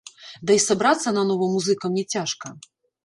Ды і сабрацца нанова музыкам не цяжка!